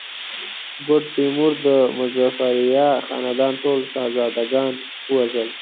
ګوډ تیمور د مظفریه خاندان ټول شهزاده ګان ووژل.